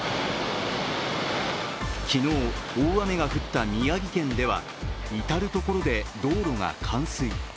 昨日、大雨が降った宮城県では至る所で道路が冠水。